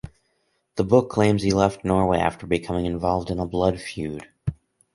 The book claims he left Norway after becoming involved in a blood feud.